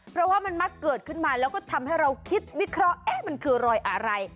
เพราะว่ามันมักเกิดขึ้นมาแล้วก็ทำให้เราคิดวิเคราะห์มันคือรอยอะไร